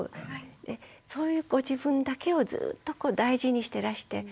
そういうご自分だけをずっとこう大事にしてらして。